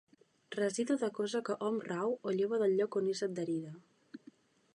Residu de cosa que hom rau o lleva del lloc on és adherida.